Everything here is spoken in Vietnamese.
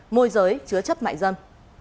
môi giới chứa chấp mại dâm